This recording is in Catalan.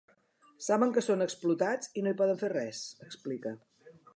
Saben que són explotats i no hi poden fer res, explica.